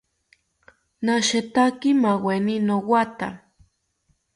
Nashetaki maaweni nowatha